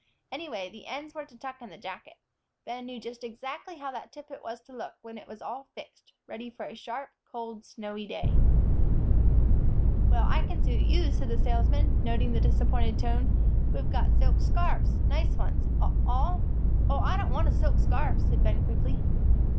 Anyway, the ends were to tuck in the jacket. Ben knew just exactly how that tippet was to look when it was all fixed, ready for a sharp, cold, snowy day. "Well, I can suit you," said the salesman, noting the disappointed tone; "we've got silk scarfs, nice ones, all " "Oh, I don't want a silk scarf," said Ben, quickly.